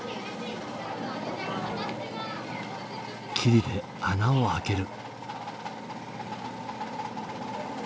きりで穴を開ける。